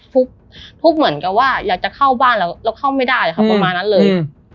ทุกเหมือนกับว่าอยากจะเข้าบ้านเราเข้าไม่ได้ครับประมาณนั้นเลย